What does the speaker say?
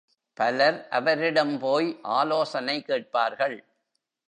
பலர் அவரிடம் போய் ஆலோசனை கேட்பார்கள்.